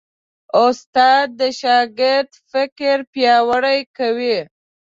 استاد د شاګرد فکر پیاوړی کوي.